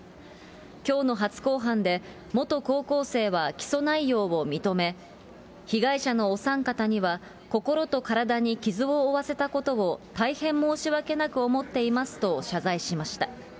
きょうの初公判で、元高校生は起訴内容を認め、被害者のお三方には、心と体に傷を負わせたことを大変申し訳なく思っていますと謝罪しました。